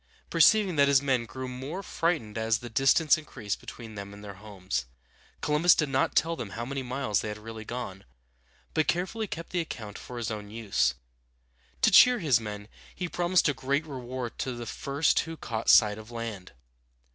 Perceiving that his men grew more frightened as the distance increased between them and their homes, Columbus did not tell them how many miles they had really gone, but carefully kept the account for his own use. To cheer his men, he promised a great reward to the first who caught sight of land.